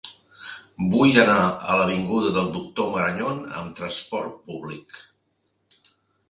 Vull anar a l'avinguda del Doctor Marañón amb trasport públic.